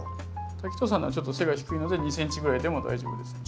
滝藤さんのはちょっと背が低いので２ｃｍぐらいでも大丈夫ですね。